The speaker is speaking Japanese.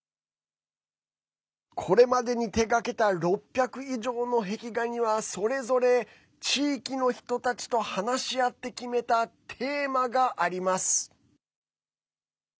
これまでに手がけた６００以上の壁画にはそれぞれ地域の人たちと話し合って決めたテーマがあります。